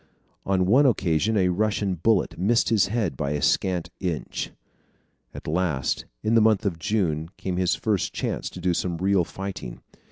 On one occasion a Russian bullet missed his head by a scant inch. At last, in the month of June, came his first chance to do some real fighting.